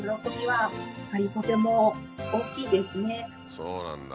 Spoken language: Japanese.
そうなんだ。